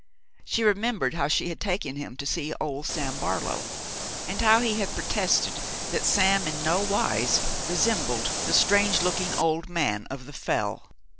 She remembered how she had taken him to see old Sam Barlow, and how he had protested that Sam in no wise resembled the strange looking old man of the Fell.